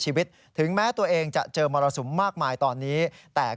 กรณีนี้ทางด้านของประธานกรกฎาได้ออกมาพูดแล้ว